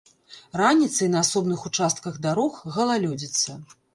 Раніцай на асобных участках дарог галалёдзіца.